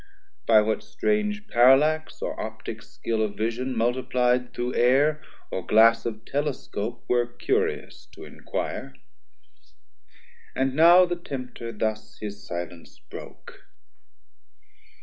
By what strange Parallax or Optic skill 40 Of vision multiplyed through air or glass Of Telescope, were curious to enquire: And now the Tempter thus his silence broke.